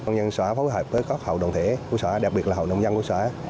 nhân xã phối hợp với các hậu đồng thể của xã đặc biệt là hậu đồng dân của xã